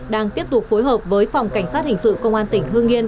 đang tiếp tục phối hợp với phòng cảnh sát hình sự công an tỉnh hương yên